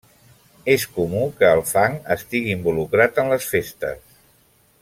És comú que el fang estigui involucrat en les festes.